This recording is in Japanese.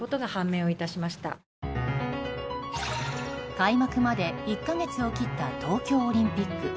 開幕まで１か月を切った東京オリンピック。